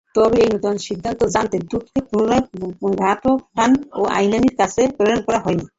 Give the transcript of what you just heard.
তবে এই নতুন সিদ্ধান্ত জানাতে দূতকে পুনরায় গাতফান ও আইনিয়ার কাছে প্রেরণ করা হয়নি।